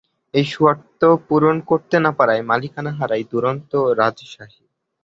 এই শর্ত পূরণ করতে না পারায় মালিকানা হারায় দুরন্ত রাজশাহী।